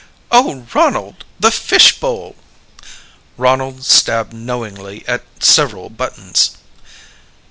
"Oh, Ronald! The fishbowl!" Ronald stabbed knowingly at several buttons.